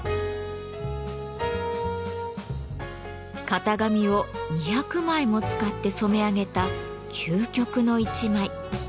型紙を２００枚も使って染め上げた究極の１枚。